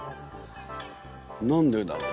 何でだろう？